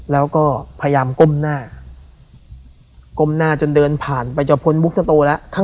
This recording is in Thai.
แล้วก็พยายามก้มหน้าก้มหน้าจนเดินผ่านไปจะพ้นมุกสโตแล้ว